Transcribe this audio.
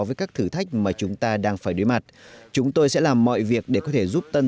với các thử thách mà chúng ta đang phải đối mặt chúng tôi sẽ làm mọi việc để có thể giúp tân